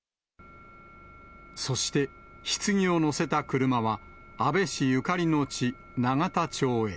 そして、ひつぎを乗せた車は、安倍氏ゆかりの地、永田町へ。